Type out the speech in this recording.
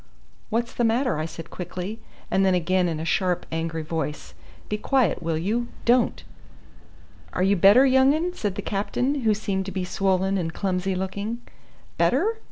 "What's the matter?" I said quickly; and then again in a sharp angry voice, "Be quiet, will you? Don't!" "Are you better, young 'un?" said the captain, who seemed to be swollen and clumsy looking. "Better?